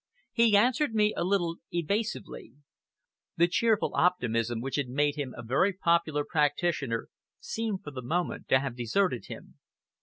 He answered me a little evasively. The cheerful optimism which had made him a very popular practitioner seemed for the moment to have deserted him.